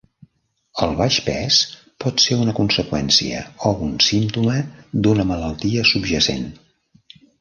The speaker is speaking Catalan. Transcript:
El baix pes pot ser una conseqüència o un símptoma d'una malaltia subjacent.